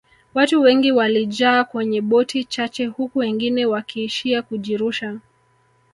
watu wengi walijaa kwenye boti chache huku wengine wakiishia kujirusha